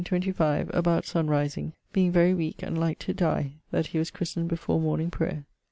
1625, about sun riseing, being very weake and like to dye that he was christned before morning prayer.